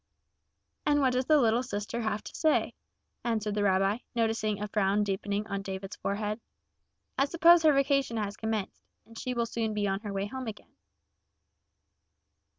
"And what does the little sister have to say?" answered the rabbi, noticing a frown deepening on David's forehead. "I suppose her vacation has commenced, and she will soon be on her way home again."